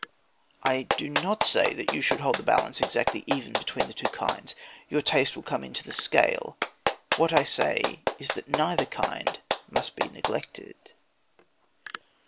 I do not say that you should hold the balance exactly even between the two kinds. Your taste will come into the scale. What I say is that neither kind must be neglected.